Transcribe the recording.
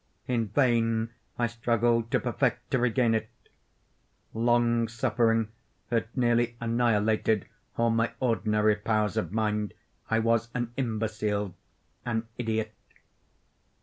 In vain I struggled to perfect—to regain it. Long suffering had nearly annihilated all my ordinary powers of mind. I was an imbecile—an idiot.